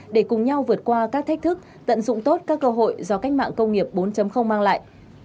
để cùng nhau vượt qua các thách thức tận dụng tốt các cơ hội do cách mạng công nghiệp bốn mang lại